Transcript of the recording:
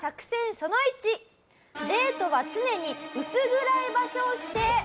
その１「デートは常に薄暗い場所を指定」。